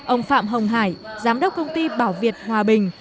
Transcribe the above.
ông phạm hồng hải giám đốc công ty bảo việt hòa bình